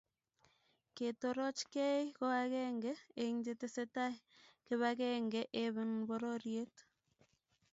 Ketorochgei ko akenge eng chetesei kibakebge ebng bororie.